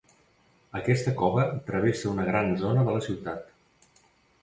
Aquesta cova travessa una gran zona de la ciutat.